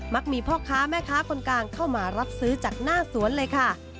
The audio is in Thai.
มีพ่อค้าแม่ค้าคนกลางเข้ามารับซื้อจากหน้าสวนเลยค่ะ